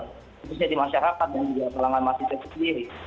tentunya di masyarakat dan di jalan pelanggan mahasiswa sendiri